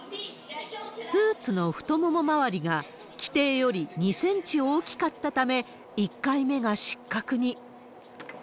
スーツの太もも周りが、規定より２センチ大きかったため、１回目が失格に。